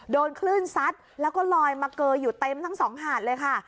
โดนคลื่นซัดแล้วก็ลอยมาเกยอยู่เต็มทั้งสองหาดเลยค่ะ